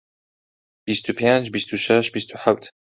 بیست و پێنج، بیست و شەش، بیست و حەوت